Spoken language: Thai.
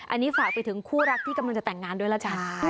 อันนี้ฝากไปถึงคู่รักที่กำลังจะแต่งงานด้วยแล้วกัน